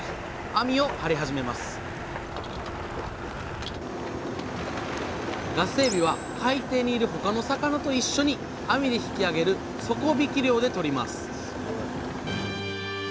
網を張り始めますガスエビは海底にいる他の魚と一緒に網で引き上げる底引き漁でとります